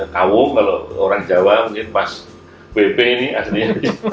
kawung kalau orang jawa mungkin mas bebe ini aslinya